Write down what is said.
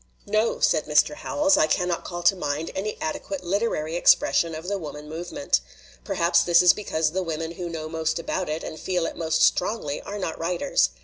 "No," said Mr. Howells, "I cannot call to mind any adequate literary expression of the woman movement. Perhaps this is because the women who know most about it and feel it most strongly are not writers.